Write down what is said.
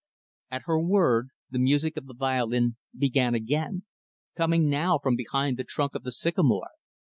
At her word, the music of the violin began again coming now, from behind the trunk of the sycamore.